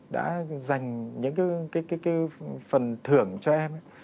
đã dành những cái phần thưởng cho em